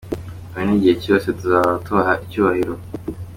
Ubu n’igihe cyose, tuzahora tubaha icyubahiro.